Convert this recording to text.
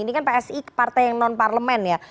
ini kan psi partai yang non parlemen ya